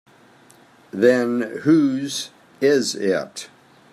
Then whose is it?